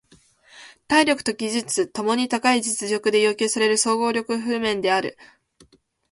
体力と技術共に高い実力で要求される総合力譜面である。ラス殺しともいえる最後の複合は配色が複雑で大きく削られやすい。